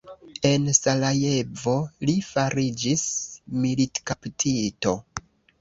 En Sarajevo li fariĝis militkaptito.